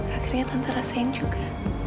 akhirnya tante rasakan juga